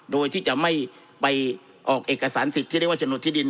โดยที่จะไม่ไปออกเอกสารสิทธิ์ที่เรียกว่าฉนดที่ดิน